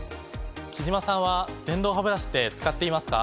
貴島さんは電動ハブラシって使っていますか？